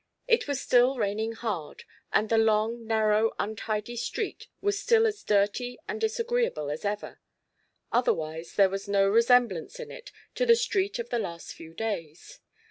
It was still raining hard, and the long, narrow, untidy street was still as dirty and disagreeable as ever; otherwise there was no resemblance in it to the street of the last few days.